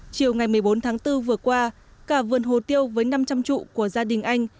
chiều ngày một mươi bốn tháng bốn vừa qua cả vườn hồ tiêu với năm trăm linh trụ của gia đình anh